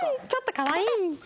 かわいい？